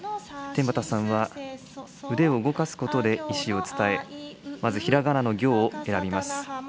天畠さんは腕を動かすことで意思を伝え、まず、ひらがなの行を選びます。